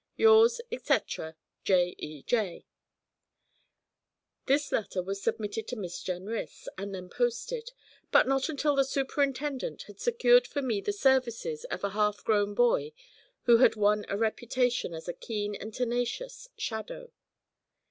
'Yours, etc., 'J. E. J.' This letter was submitted to Miss Jenrys, and then posted, but not until the superintendent had secured for me the services of a half grown boy who had won a reputation as a keen and tenacious 'shadow.'